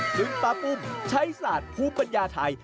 ซึ่งป้าปุ้มใช้สัตว์ภูปัญญาไทย